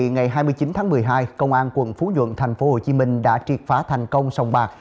ngày hai mươi chín tháng một mươi hai công an quận phú nhuận tp hcm đã triệt phá thành công sòng bạc